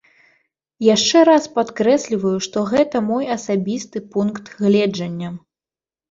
Яшчэ раз падкрэсліваю, што гэта мой асабісты пункт гледжання.